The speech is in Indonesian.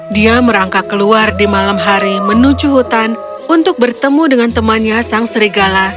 dia merangkak keluar di malam hari menuju hutan untuk bertemu dengan temannya sang serigala